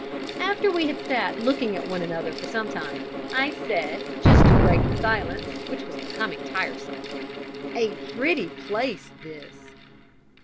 After we had sat looking at one another for some time, I said, just to break the silence, which was becoming tiresome "A pretty place this!"